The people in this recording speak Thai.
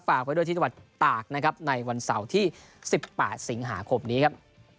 ไปด้วยที่จังหวัดตากนะครับในวันเสาร์ที่๑๘สิงหาคมนี้ครับ